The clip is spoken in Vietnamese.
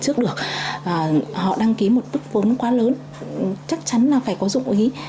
trước được họ đăng ký một bức vốn quá lớn chắc chắn là phải có dụng ý